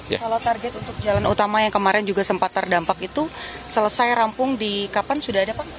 kalau target untuk jalan utama yang kemarin juga sempat terdampak itu selesai rampung di kapan sudah ada pak